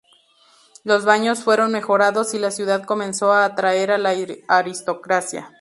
Los baños fueron mejorados y la ciudad comenzó a atraer a la aristocracia.